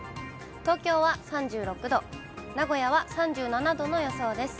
東京は３６度、名古屋は３７度の予想です。